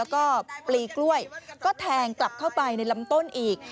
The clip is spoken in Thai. แล้วก็ปลีกล้วยก็แทงกลับเข้าไปในลำต้นอีก